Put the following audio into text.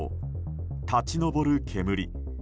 立ち上る煙。